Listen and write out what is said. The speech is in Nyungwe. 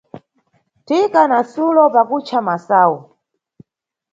Thika na Sulo pakucha masayu.